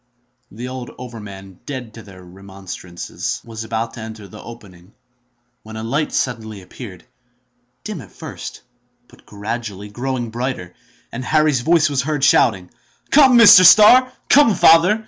The old overman, dead to their remonstrances, was about to enter the opening, when a light appeared, dim at first, but gradually growing brighter, and Harry's voice was heard shouting, "Come, Mr. Starr! come, father!